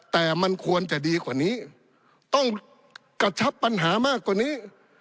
แต่มันควรจะดีกว่านี้ต้องกระชับปัญหามากกว่านี้